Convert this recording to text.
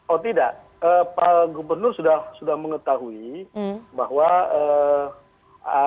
oh tidak pak gubernur sudah mengetahui bahwa